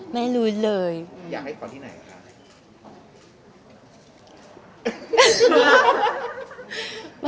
ไม่รู้เลยค่ะ